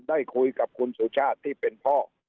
ได้คุยกับคุณสุชาติที่เป็นพ่อ